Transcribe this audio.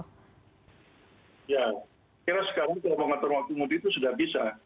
ya kira sekarang kalau mengatur waktu mudik itu sudah bisa